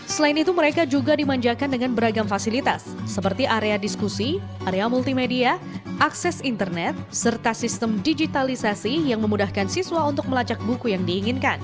selain itu mereka juga dimanjakan dengan beragam fasilitas seperti area diskusi area multimedia akses internet serta sistem digitalisasi yang memudahkan siswa untuk melacak buku yang diinginkan